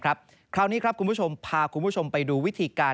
คราวนี้ครับคุณผู้ชมพาคุณผู้ชมไปดูวิธีการ